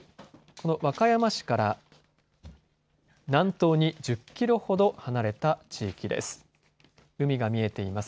和歌山市から南東に１０キロほど離れた地域です。